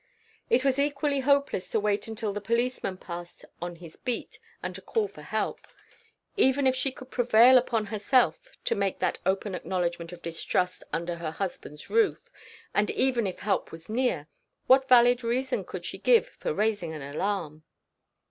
It was equally hopeless to wait until the policeman passed on his beat, and to call for help. Even if she could prevail upon herself to make that open acknowledgment of distrust under her husband's roof, and even if help was near, what valid reason could she give for raising an alarm?